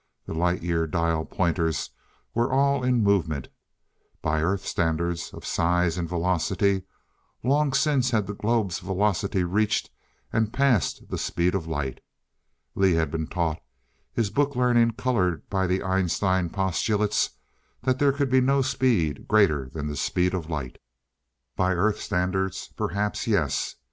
The Light year dial pointers were all in movement. By Earth standards of size and velocity, long since had the globe's velocity reached and passed the speed of light. Lee had been taught his book learning colored by the Einstein postulates that there could be no speed greater than the speed of light by Earth standards perhaps, yes.